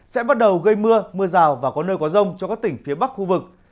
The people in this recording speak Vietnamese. sẽ bắt đầu gây mưa mưa rào và có nơi có rông cho các tỉnh phía bắc khu vực